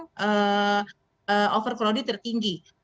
dan ini adalah top rank yang tertinggi